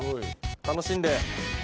楽しんで。